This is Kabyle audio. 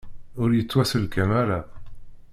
Ur yettwaselkam ara.